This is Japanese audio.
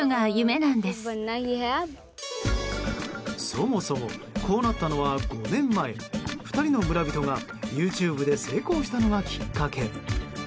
そもそもこうなったのは５年前２人の村人が、ＹｏｕＴｕｂｅで成功したのがきっかけ。